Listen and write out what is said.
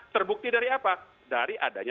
terbukti dari apa dari adanya